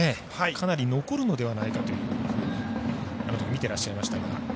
かなり残るのではないかと見てらっしゃいましたが。